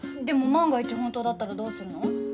でも万が一本当だったらどうするの？